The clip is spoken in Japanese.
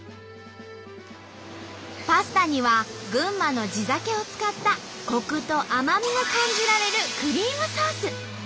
パスタには群馬の地酒を使ったコクと甘みが感じられるクリームソース。